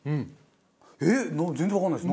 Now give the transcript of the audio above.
えっ全然わかんないです。